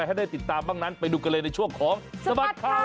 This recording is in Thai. สวัสดีครับสวัสดีครับสว